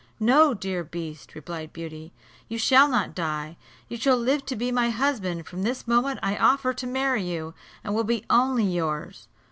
"No, dear beast," replied Beauty, "you shall not die; you shall live to be my husband: from this moment I offer to marry you, and will be only yours.